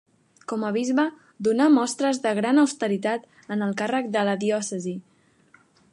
Com a bisbe donà mostres de gran austeritat en el càrrec de la diòcesi.